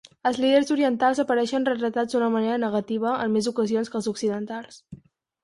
Els líders orientals apareixen retratats d'una manera negativa en més ocasions que els occidentals.